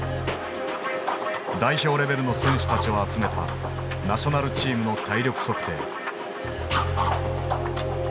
代表レベルの選手たちを集めたナショナルチームの体力測定。